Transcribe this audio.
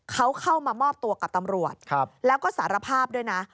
เขาเข้ามามอบตัวกับตำรวจแล้วก็สารภาพด้วยนะ